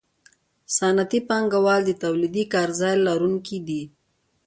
صنعتي پانګوال د تولیدي کارځای لرونکي دي